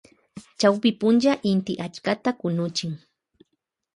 Chawpy punlla inti achka kunuchin.